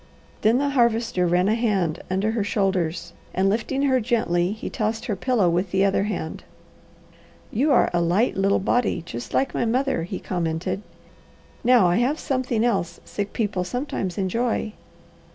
Then the Harvester ran a hand under her shoulders and lifting her gently he tossed her pillow with the other hand. "You are a light little body, just like my mother," he commented. "Now I have something else sick people sometimes enjoy."